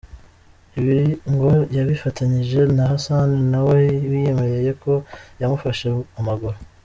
Ibi ngo yabifatanyije na Hassan, na we wiyemereye ko yamufashe amaguru.